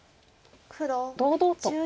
堂々と。